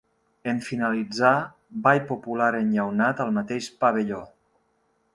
En finalitzar, ball popular "enllaunat" al mateix pavelló.